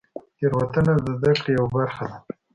تېروتنه د زدهکړې یوه برخه ده.